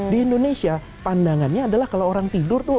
di indonesia pandangannya adalah kalau orang tidur tuh